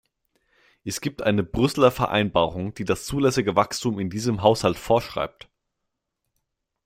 Es gibt eine Brüsseler Vereinbarung, die das zulässige Wachstum in diesem Haushalt vorschreibt.